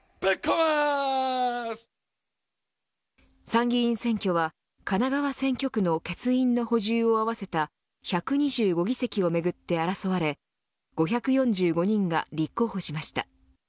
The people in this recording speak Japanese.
参議院選挙は、神奈川選挙区の欠員の補充を合わせた１２５議席をめぐって争われ５４５人が立候補しました。